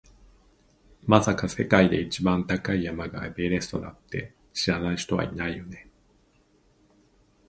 まさか、世界で一番高い山がエベレストだって知らない人はいないよね？